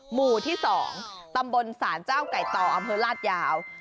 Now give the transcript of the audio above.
หมู่ที่๒ตำบลศาลเจ้าไก่ต่ออำเภอลาดยาว